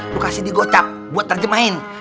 lu kasih di gocap buat terjemahin